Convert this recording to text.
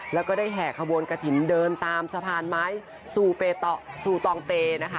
แล้วก็ได้แห่ขบวนกระถิ่นเดินตามสะพานไม้ซูตองเปนะคะ